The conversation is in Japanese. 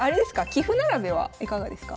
棋譜並べはいかがですか？